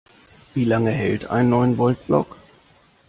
Wie lange hält ein Neun-Volt-Block?